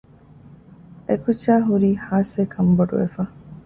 އެކުއްޖާހުރީ ހާސްވެ ކަންބޮޑުވެފަ